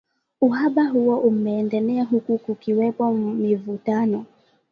Uhaba huo umeendelea huku kukiwepo mivutano